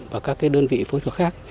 và các cái đơn vị phối thuật khác